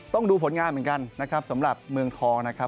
ต้องดูผลงานเหมือนกันนะครับสำหรับเมืองทองนะครับ